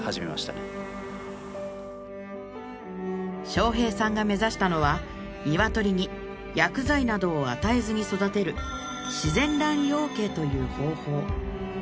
将兵さんが目指したのはニワトリに薬剤などを与えずに育てるという方法